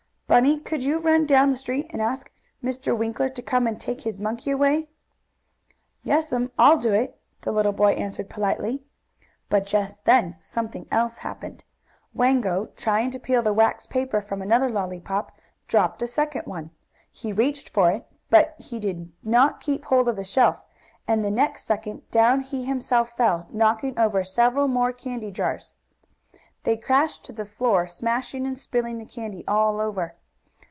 "Bunny, could you run down the street, and ask Mr. Winkler to come and take his monkey away?" "Yes'm, I'll do it," the little boy answered politely. But just then something else happened. Wango, trying to peel the wax paper from another lollypop, dropped a second one. He reached for it, but he did keep hold of the shelf, and, the next second down he himself fell, knocking over several more candy jars. They crashed to the floor, smashing and spilling the candy all over.